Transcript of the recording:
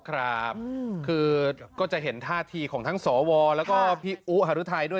ครับคือก็จะเห็นท่าทีของทั้งสวแล้วก็พี่อุฮรุไทยด้วย